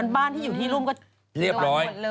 บ้านที่อยู่ที่รุ่มก็เรียบร้อย